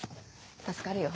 助かるよ。